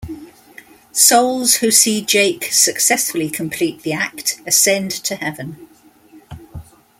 Souls who see Jake successfully complete the act ascend to heaven.